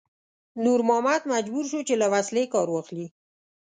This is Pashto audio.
نور محمد مجبور شو چې له وسلې کار واخلي.